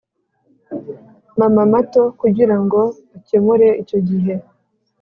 -mama-mato kugirango akemure icyo gihe.